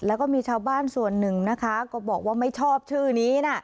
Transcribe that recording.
แล้วก็มีชาวบ้านส่วนหนึ่งนะคะก็บอกว่าไม่ชอบชื่อนี้นะ